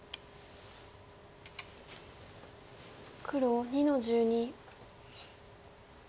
黒２の十二。